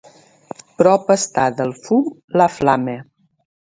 Prop està del fum, la flama.